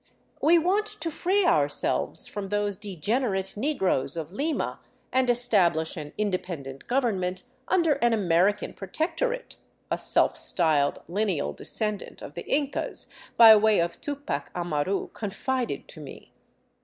" We want to free ourselves from those de generate negroes of Lima and establish an independent government under an American protectorate," a self styled lineal descendant of the Incas by way of Tupac Amaru confided to me.